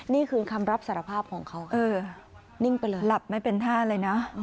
นี่คือคำรับสารภาพของเขาเออนิ่งไปเลยหลับไม่เป็นท่าเลยนะ